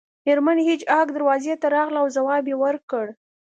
میرمن هیج هاګ دروازې ته راغله او ځواب یې ورکړ